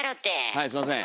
はいすいません。